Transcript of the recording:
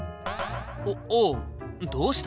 おっおうどうした？